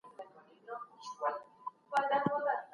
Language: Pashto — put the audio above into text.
پوهه تر تورې ډیره اغیزمنه ده.